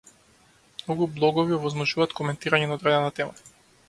Многу блогови овозможуваат коментирање на одредена тема.